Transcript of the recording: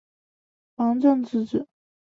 王震之子。